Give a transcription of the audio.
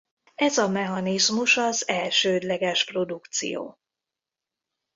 Ez a mechanizmus az elsődleges produkció.